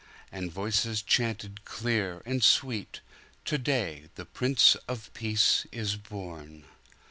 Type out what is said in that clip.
"And voices chanted clear and sweet,"To day the Prince of Peace is born!""